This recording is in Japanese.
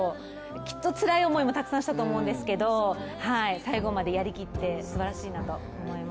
きっとつらい思いもたくさんしたと思うんですけども最後までやりきってすばらしいなと思います。